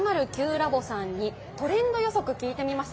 ｌａｂ．さんにトレンド予測聞いてみました。